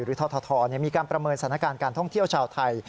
ททมีการประเมินสถานการณ์การท่องเที่ยวชาวไทย